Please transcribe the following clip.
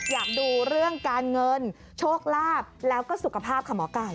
อยากดูเรื่องการเงินโชคลาภแล้วก็สุขภาพค่ะหมอไก่